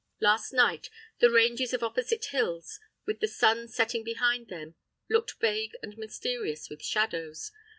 Last night the ranges of opposite hills, with the sun setting behind them, looked vague and mysterious with shadows.